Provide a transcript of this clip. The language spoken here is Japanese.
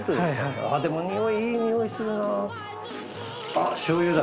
でもにおいいいにおいするな！あっ醤油だ。